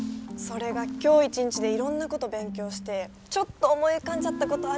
今日一日でいろんなこと勉強してちょっと思い浮かんじゃったことあるんですよね。